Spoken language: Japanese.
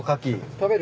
食べる？